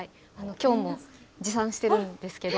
今日も持参してるんですけど。